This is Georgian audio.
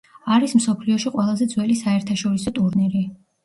არის მსოფლიოში ყველაზე ძველი საერთაშორისო ტურნირი.